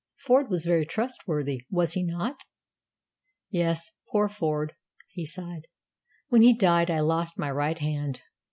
"Ford was very trustworthy, was he not?" "Yes, poor Ford," he sighed. "When he died I lost my right hand.